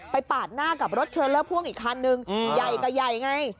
ไปปาดหน้ากับรถเทลเลอร์พ่วงอีกคันหนึ่งอืมใหญ่ก็ใหญ่ไง